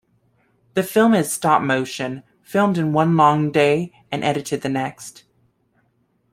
The film is stop motion, filmed in one long day and edited the next.